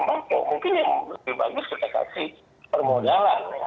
mungkin yang lebih bagus kita kasih permodalan